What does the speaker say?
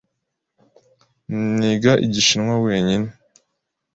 Niga Igishinwa wenyine.